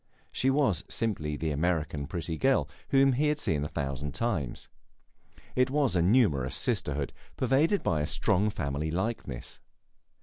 She was simply the American pretty girl, whom he had seen a thousand times. It was a numerous sisterhood, pervaded by a strong family likeness.